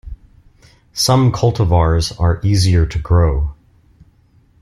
Some cultivars are easier to grow.